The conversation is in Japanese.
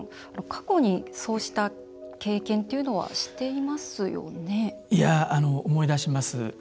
過去にそうした経験というのは思い出します。